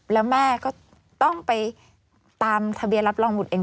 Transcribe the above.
แล้วแม่ก็ต้องไปตามทะเบียนรับรองบุตรเอง